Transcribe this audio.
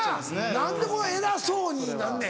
何で偉そうになんねん。